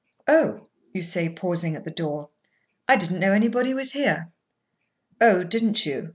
"Oh!" you say, pausing at the door, "I didn't know anybody was here." "Oh! didn't you?"